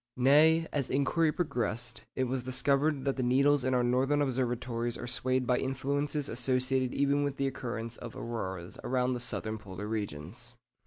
Nay, as inquiry progressed, it was discovered that the needles in our northern observatories are swayed by influences associated even with the occurrence of auroras around the southern polar regions.